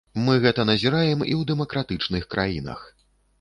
Мы гэта назіраем і ў дэмакратычных краінах.